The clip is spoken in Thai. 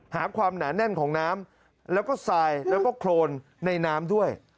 หาความหนาแน่นของน้ำแล้วก็ทรายแล้วก็โครนในน้ำด้วย